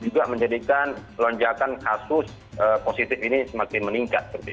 juga menjadikan lonjakan kasus positif ini semakin meningkat